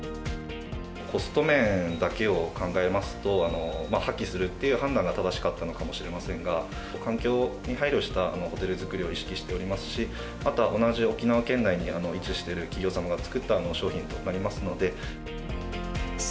コスト面だけを考えますと、廃棄するという判断が正しかったのかもしれませんが、環境に配慮したホテルづくりを意識しておりますし、あとは同じ沖縄県内に位置している企業様が作った商品となります